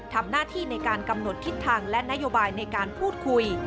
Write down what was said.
ทำหน้าที่ในการกำหนดทิศทางและนโยบายในการพูดคุย